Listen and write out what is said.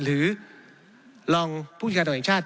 หรือรองผู้บัญชาการตรวงทางชาติ